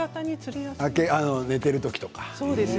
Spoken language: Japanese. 寝ているときとか。